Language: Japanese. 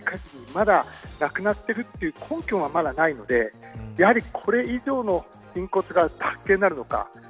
まだ亡くなっているという根拠がないのでやはり、これ以上の人骨が発見になるのか。